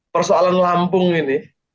persoalan lampung ini